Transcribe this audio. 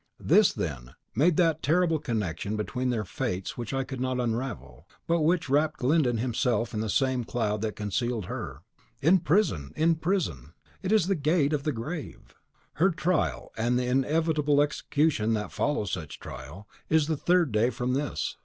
This, then, made that terrible connection between their fates which I could not unravel, but which (till severed as it now is) wrapped Glyndon himself in the same cloud that concealed her. In prison, in prison! it is the gate of the grave! Her trial, and the inevitable execution that follows such trial, is the third day from this.